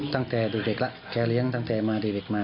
ตั้งแต่เด็กแล้วแกเลี้ยงตั้งแต่มาเด็กมา